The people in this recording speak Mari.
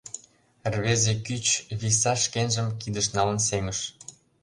Рвезе кӱч виса шкенжым кидыш налын сеҥыш.